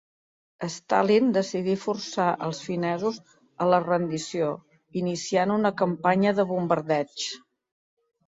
Stalin decidí forçar als finesos a la rendició, iniciant una campanya de bombardeigs.